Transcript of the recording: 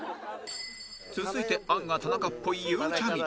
続いてアンガ田中っぽいゆうちゃみ